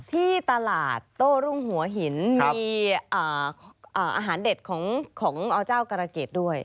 ที่ตลาดโต้รุ่งหัวหินมีอาหารเด็ดของอเจ้ากรเกษด้วย